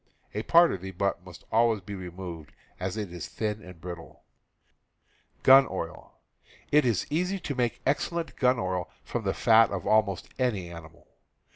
A part of the butt must always be removed, as it is thin and brittle. It is easy to make excellent gun oil from the fat of almost any animal.